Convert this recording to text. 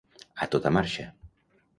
A tota marxa.